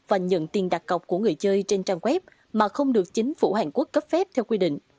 và nhận tiền đặt cọc của người chơi trên trang web mà không được chính phủ hàn quốc cấp phép theo quy định